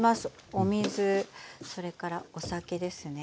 お水それからお酒ですね。